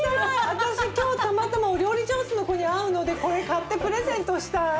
私今日たまたまお料理上手の子に会うのでこれ買ってプレゼントしたい。